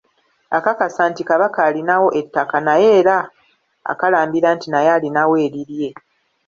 Akakasa nti Kabaka alinawo ettaka naye era akalambira nti naye alinawo erirye.